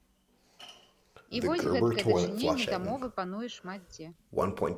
І вось гэткае дачыненне да мовы пануе шмат дзе.